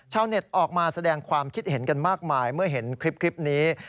เน็ตออกมาแสดงความคิดเห็นกันมากมายเมื่อเห็นคลิปนี้